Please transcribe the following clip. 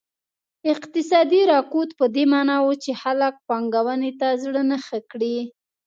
اقتصادي رکود په دې معنا و چې خلک پانګونې ته زړه نه ښه کړي.